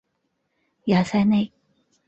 雅塞内。